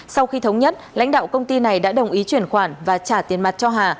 sau khi thống nhất lãnh đạo công ty này đã đồng ý chuyển khoản và trả tiền mặt cho hà